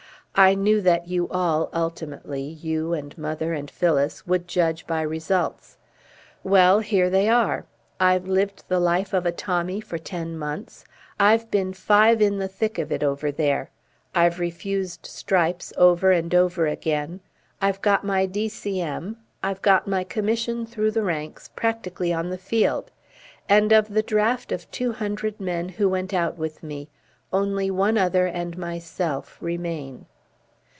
I knew that you all, ultimately, you and mother and Phyllis, would judge by results. Well, here they are. I've lived the life of a Tommy for ten months. I've been five in the thick of it over there. I've refused stripes over and over again. I've got my D.C.M. I've got my commission through the ranks, practically on the field. And of the draft of two hundred who went out with me only one other and myself remain."